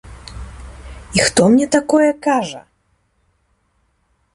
І хто мне такое кажа?